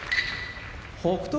北勝